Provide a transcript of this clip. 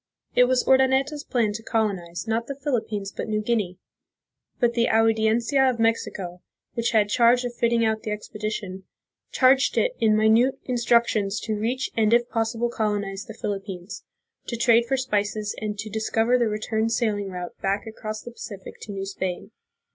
It was Urdaneta's plan to colonize, not the Philippines, but New Guinea; but the Audiencia of Mexico, which had charge of fitting out the expedition, charged it in minute instructions to reach and if possible colonize the Philip pines, to trade for spices and to discover the return sail ing route back across the Pacific to New Spain.